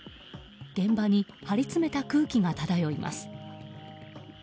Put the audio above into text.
現場に張りつめた空気が漂います。